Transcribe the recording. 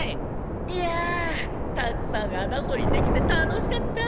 いやたくさんあなほりできて楽しかった！